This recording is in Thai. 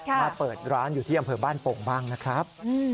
มาเปิดร้านอยู่ที่อำเภอบ้านโป่งบ้างนะครับ